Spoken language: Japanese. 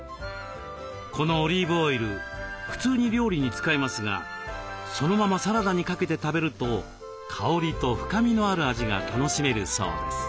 このオリーブオイル普通に料理に使えますがそのままサラダにかけて食べると香りと深みのある味が楽しめるそうです。